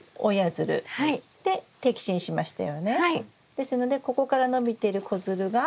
ですのでここから伸びてる子づるが？